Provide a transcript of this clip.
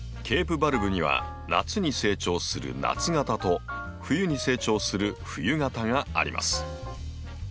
ケープバルブには夏に成長する夏型と冬に成長する冬型があります。